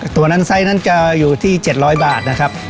ตัวนั้นไซส์นั้นจะอยู่ที่๗๐๐บาทนะครับ